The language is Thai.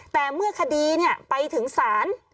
แต่เมื่อคดีไปถึงศาล